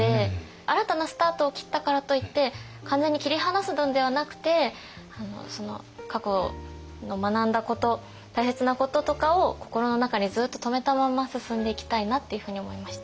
新たなスタートを切ったからといって完全に切り離すのではなくて過去学んだこと大切なこととかを心の中にずっと留めたまんま進んでいきたいなっていうふうに思いました。